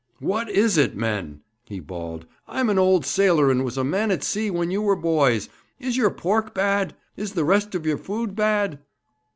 'What is it, men?' he bawled. 'I am an old sailor, and was a man at sea when you were boys. Is your pork bad? Is the rest of your food bad?'